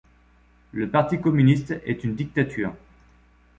Le parti communiste est une dictature.